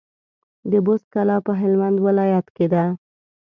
د بُست کلا په هلمند ولايت کي ده